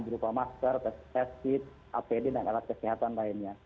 juru komaster test fit apd dan alat kesehatan lainnya